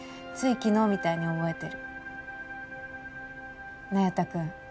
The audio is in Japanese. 昨日みたいに覚えてる那由他君